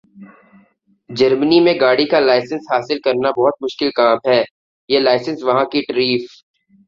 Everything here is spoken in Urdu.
۔جرمنی میں گاڑی کا لائسنس حاصل کرنا بہت مشکل کام ہے۔ یہ لائسنس وہاں کی ٹریف